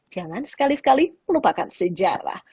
jangan sekali sekali melupakan sejarah